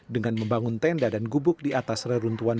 dengan membangun tenda dan gubuk di atas reruntuhan